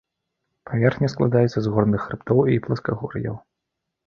Паверхня складаецца з горных хрыбтоў і пласкагор'яў.